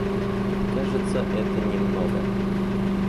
Кажется, это не много.